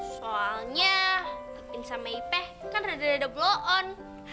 soalnya ipin sama ipeh kan rada rada blow on